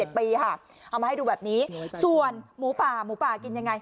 ปีค่ะเอามาให้ดูแบบนี้ส่วนหมูป่าหมูป่ากินยังไง